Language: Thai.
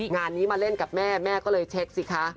งานนี้มาเล่นกับแม่แม่ก็เลยเช็คสิคะ